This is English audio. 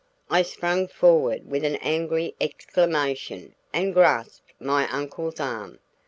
I sprang forward with an angry exclamation and grasped my uncle's arm.